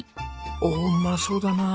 おおうまそうだなあ。